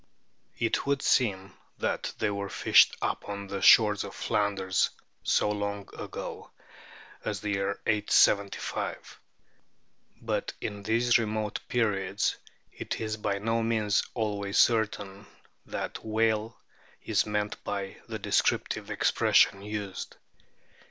* It would seem that they were fished upon the shores of Flanders so long ago as the year 875, but in these remote periods it is by no means always certain that whale is meant by the descriptive expressions used.